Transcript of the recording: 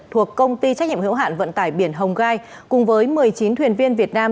thuộc công ty trách nhiệm hữu hạn vận tải biển hồng gai cùng với một mươi chín thuyền viên việt nam